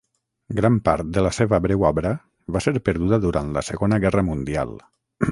Gran part de la seva breu obra va ser perduda durant la Segona Guerra Mundial.